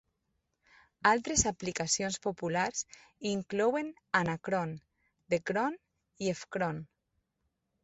Altres aplicacions populars inclouen anacron, dcron i fcron.